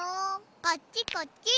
こっちこっち。